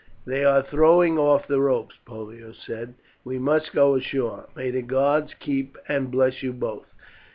"They are throwing off the ropes," Pollio said; "we must go ashore. May the gods keep and bless you both!"